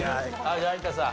じゃあ有田さん。